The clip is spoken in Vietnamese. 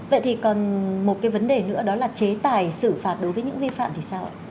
vậy thì còn một cái vấn đề nữa đó là chế tài xử phạt đối với những vi phạm thì sao ạ